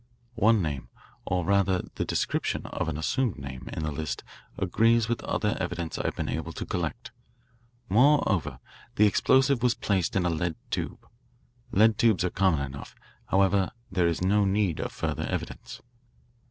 One name, or rather the description of an assumed name, in the list agrees with other evidence I have been able to collect. Moreover, the explosive was placed in a lead tube. Lead tubes are common enough. However, there is no need of further evidence."